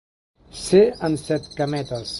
Ser en Set-cametes.